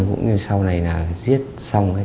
cũng như sau này là giết xong ấy